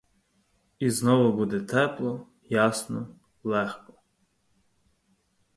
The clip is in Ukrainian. І знов буде тепло, ясно, легко.